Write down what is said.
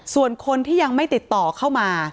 ส่วนคนที่ยังไม่ติดต่อเข้ามา